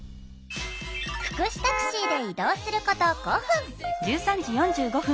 福祉タクシーで移動すること５分。